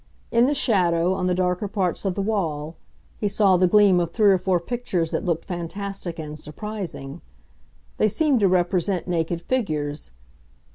In the shadow, on the darker parts of the wall, he saw the gleam of three or four pictures that looked fantastic and surprising. They seemed to represent naked figures.